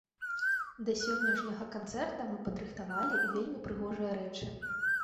Да сённяшняга канцэрта мы падрыхтавалі вельмі прыгожыя рэчы.